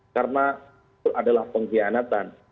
karena itu adalah pengkhianatan